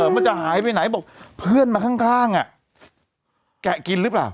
มันจะหายไปไหนบอกเพื่อนมาข้างแกะกินหรือเปล่า